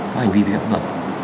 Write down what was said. các hành vi viễn vật